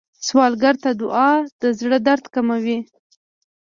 سوالګر ته دعا د زړه درد کموي